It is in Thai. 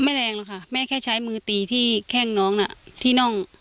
แรงหรอกค่ะแม่แค่ใช้มือตีที่แข้งน้องน่ะที่น่อง